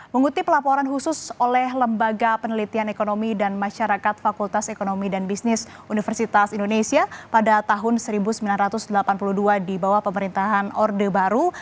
mengutip laporan khusus oleh lembaga penelitian ekonomi dan masyarakat fakultas ekonomi dan bisnis universitas indonesia pada tahun seribu sembilan ratus delapan puluh dua di bawah pemerintahan orde baru